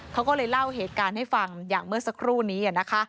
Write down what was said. เขาก็เลยเล่าเหตุการณ์ให้ฟังอย่างเมื่อสักครู่นี้นะคะ